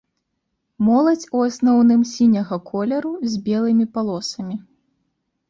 Моладзь у асноўным сіняга колеру з белымі палосамі.